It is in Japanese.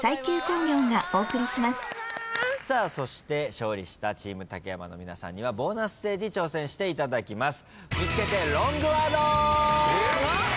勝利したチーム竹山の皆さんにはボーナスステージ挑戦していただきます。